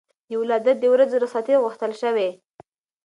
د ولادت د ورځو رخصتي غوښتل شوې.